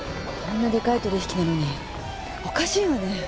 こんなでかい取引なのにおかしいわね。